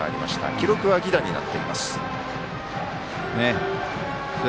記録は犠打になっています。